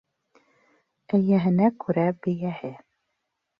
Эйәһенә күрә бейәһе